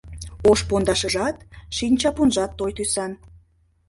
Ош пондашыжат, шинчапунжат той тӱсан.